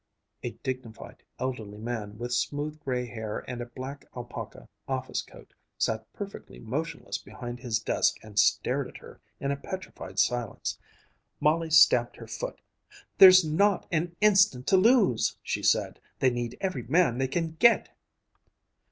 A dignified, elderly man, with smooth, gray hair and a black alpaca office coat, sat perfectly motionless behind his desk and stared at her in a petrified silence. Molly stamped her foot. "There's not an instant to lose," she said; "they need every man they can get."